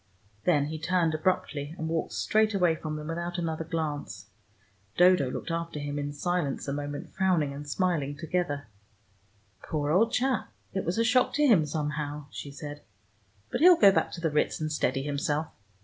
Then he turned abruptly, and walked straight away from them without another glance. Dodo looked after him in silence a moment, frowning and smiling together. "Poor old chap: it was a shock to him somehow," she said. "But he'll go back to the Ritz and steady himself.